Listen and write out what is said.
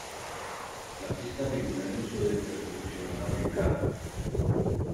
La pista figura el uso de percusión africana.